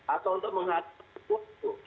atau untuk menghaluskan waktu